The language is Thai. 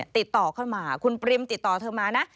ติดต่อเข้ามาคุณปริมติดต่อเธอมานะ